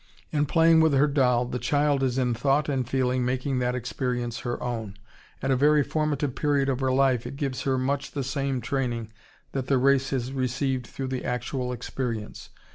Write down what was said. In playing with her doll the child is in thought and feeling making that experience her own. At a very formative period of her life it gives her much the same training that the race has received through the actual experience....